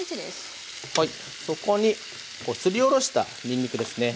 そこにすりおろしたにんにくですね。